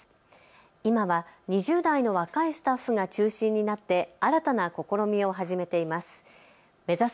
今は２０代の若いスタッフが中心になって新たな試みを始めています。